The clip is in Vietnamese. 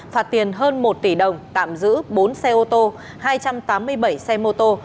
phạt tiền hơn một tỷ đồng tạm giữ bốn xe ô tô hai trăm tám mươi bảy xe mô tô